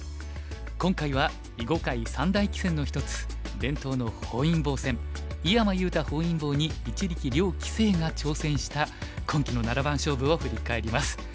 今回は囲碁界三大棋戦の一つ伝統の本因坊戦井山裕太本因坊に一力遼棋聖が挑戦した今期の七番勝負を振り返ります。